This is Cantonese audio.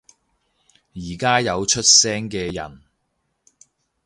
而家有出聲嘅人